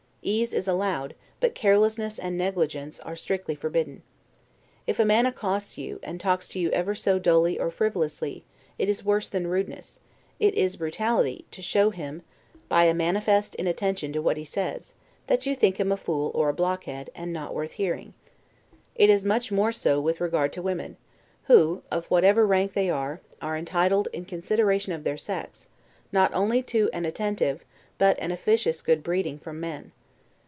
Ease is allowed, but carelessness and negligence are strictly forbidden. If a man accosts you, and talks to you ever so dully or frivolously, it is worse than rudeness, it is brutality, to show him, by a manifest inattention to what he says, that you think him a fool or a blockhead, and not worth hearing. It is much more so with regard to women; who, of whatever rank they are, are entitled, in consideration of their sex, not only to an attentive, but an officious good breeding from men.